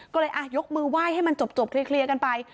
ก็เลยยกมือไหว้ให้มันจบเคลียร์กันไป